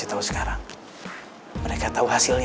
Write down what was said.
tapi asurmedits gue merasa nggak bisa